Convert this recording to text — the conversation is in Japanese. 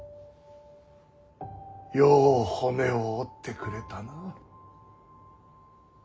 よう骨を折ってくれたな。